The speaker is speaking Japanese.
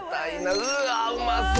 うわうまそう！